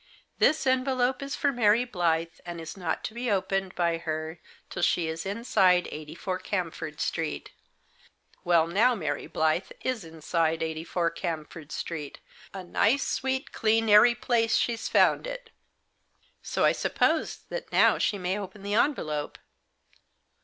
'This envelope is for Mary Blyth, and is not to be opened by her till she is inside 84, Camford Street.' Well, now Mary Blyth is inside 84, Camford Street — a nice, sweet, clean, airy place she's found it ! So I suppose that now she may open the envelope.